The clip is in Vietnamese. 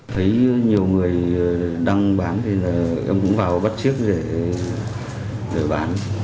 thấy nhiều người đang bán thì em cũng vào bắt chiếc để bán